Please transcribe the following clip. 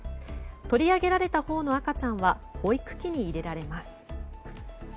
取り上げられたほうの赤ちゃんは保育器に入れられます。